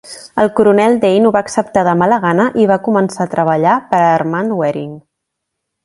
El coronel Dane ho va acceptar de mala gana i van començar a treballar per a Armand Waering.